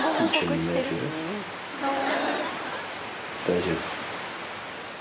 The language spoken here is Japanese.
大丈夫。